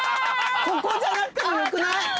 ここじゃなくてもよくない！？